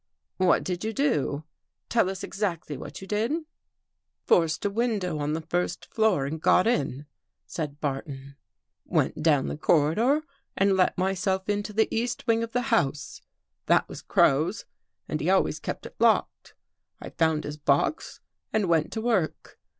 "What did you do? Tell us exactly what you did?" " Forced a window on the first floor and got in," said Barton. " Went down the corridor and let my self into the east wing of the house. That was 264 A QUESTION OF CENTIMETERS Crow's and he always kept it locked. I found his box and went to work.